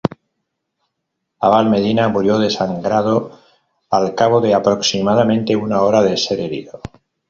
Abal Medina murió desangrado al cabo de aproximadamente una hora de ser herido.